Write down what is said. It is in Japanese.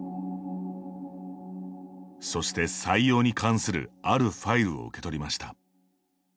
そして採用に関するあるファイルを受け取りました。